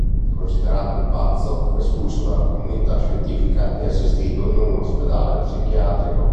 Considerato un pazzo, fu espulso dalla comunità scientifica e assistito in un ospedale psichiatrico.